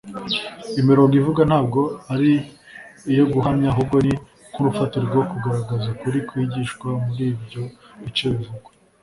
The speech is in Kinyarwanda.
Imirongo ivugwa ntabwo ari iyo guhamya, ahubwo ni nk'urufatiro rwo kugaragaza ukuri kwigishwa muri ibyo bice bivugwa.